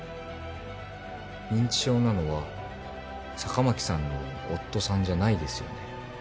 認知症なのは坂巻さんの夫さんじゃないですよね。